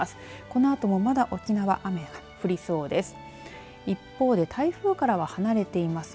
このあともまだ沖縄雨が降りそうです。